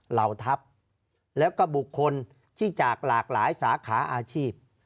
เหล่าทัพแล้วก็บุคคลที่จากหลากหลายสาขาอาชีพ